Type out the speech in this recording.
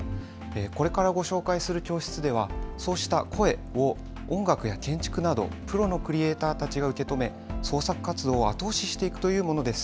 これからご紹介する教室ではそうした声を音楽や建築などプロのクリエイターたちが受け止め創作活動を後押ししていくというものです。